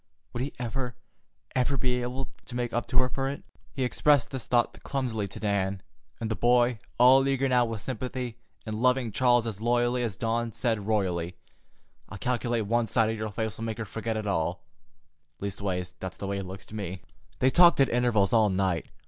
Would he ever, ever, be able to make up to her for it? He expressed this thought clumsily to Dan, and the boy, all eager now with sympathy, and loving Charles as loyally as Dawn, said royally: "I calculate one sight of your face'll make her forget it all. Leastways, that's the way it looks to me." They talked at intervals all night.